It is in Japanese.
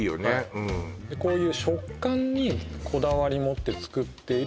うんでこういう食感にこだわり持って作っている